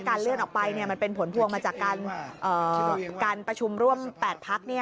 เลื่อนออกไปมันเป็นผลพวงมาจากการประชุมร่วม๘พัก